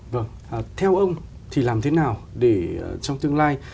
vâng theo ông thì làm thế nào để trong tương lai